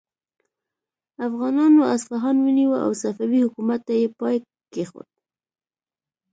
افغانانو اصفهان ونیو او صفوي حکومت ته یې پای کیښود.